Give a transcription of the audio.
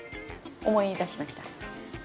思い出しました？